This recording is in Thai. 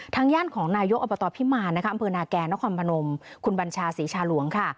ทางย่านของนายกอพิมารบนแกนพมคุณบัญชาศรีชาหลวงค่ะ